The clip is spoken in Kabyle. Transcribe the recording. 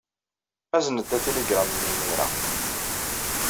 Azen-d atiligṛam-nni imir-a.